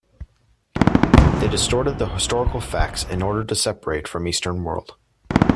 They distorted the historical facts in order to separate from Eastern world.